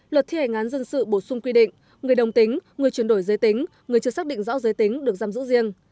luật thi hành án dân sự bổ sung quy định người đồng tính người chuyển đổi giới tính người chưa xác định rõ giới tính được giam giữ riêng